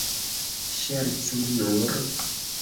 Ŝercu nur!